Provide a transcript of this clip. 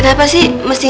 ntar ada kejutan